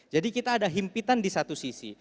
jadi kita ada himpitan di satu sisi